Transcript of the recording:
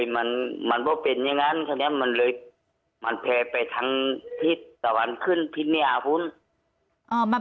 มันไม่เป็นอย่างนั้นมันแพ้ไปทั้งที่ตะวันขึ้นทิศนิยาภูมิ